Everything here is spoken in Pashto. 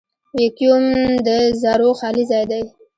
ویکیوم د ذرّو خالي ځای دی.